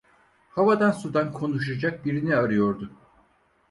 Havadan sudan konuşacak birini arıyordu.